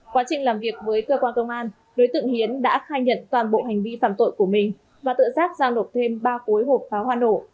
quá trình làm việc với cơ quan công an đối tượng hiến đã khai nhận toàn bộ hành vi phạm tội của mình và tự giác giao nộp thêm ba cuối hộp pháo hoa nổ